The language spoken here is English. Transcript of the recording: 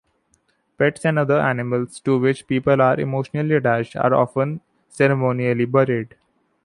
Pets and other animals to which people are emotionally attached are often ceremonially buried.